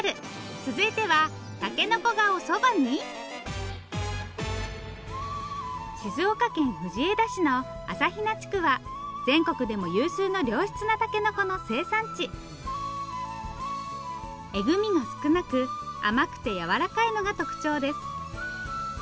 続いては静岡県藤枝市の朝比奈地区は全国でも有数の良質なたけのこの生産地エグみが少なく甘くてやわらかいのが特徴です